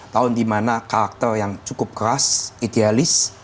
tahun di mana karakter yang cukup keras idealis